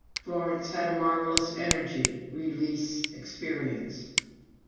Florence had a marvelous energy re lease experience.